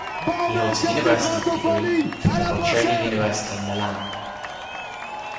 He holds a University degree from the Bocconi University in Milan.